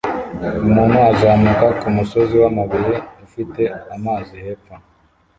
Umuntu uzamuka kumusozi wamabuye ufite amazi hepfo